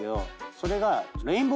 それが。